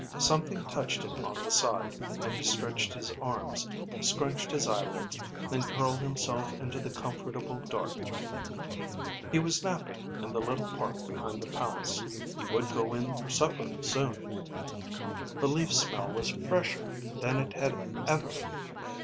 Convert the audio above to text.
Something touched him on the side, and he stretched his arms, scrunched his eyelids, then curled himself into the comfortable dark. He was napping in the little park behind the palace. He would go in for supper soon. The leaf smell was fresher than it had ever....